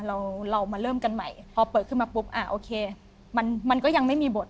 เราเรามาเริ่มกันใหม่พอเปิดขึ้นมาปุ๊บอ่าโอเคมันมันก็ยังไม่มีบท